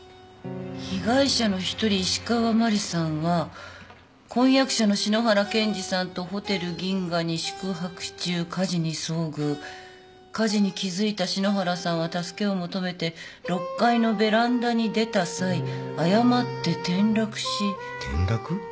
「被害者のひとり石川マリさんは婚約者の篠原健治さんとホテル銀河に宿泊中火事に遭遇」「火事に気づいた篠原さんは助けを求めて６階のベランダに出た際誤って転落し」転落？